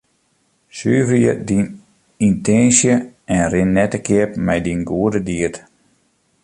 Suverje dyn yntinsje en rin net te keap mei dyn goede died.